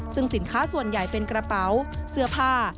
ซึ่งสินค้าส่วนใหญ่เป็นกระเป๋าเสื้อผ้า